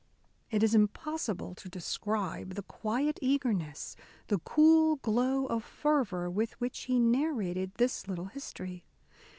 It is impossible to describe the quiet eagerness, the cool glow of fervour with which he narrated this little history.